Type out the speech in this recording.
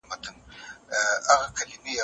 د سوغاتونو ورکول د ولور ځای نه نيسي.